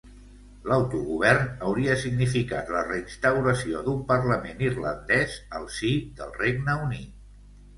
L'autogovern hauria significat la reinstauració d'un Parlament Irlandès al si del Regne Unit.